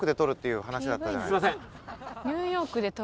すみません。